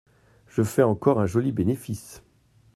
Je fais encore un joli bénéfice.